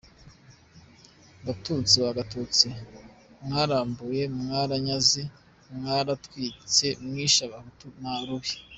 Batutsi ba Gatutsi, mwarambuye, mwaranyaze, mwaratwitse, mwishe Abahutu rubi.